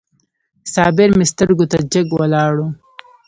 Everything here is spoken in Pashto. صابر مې سترګو ته جګ ولاړ و.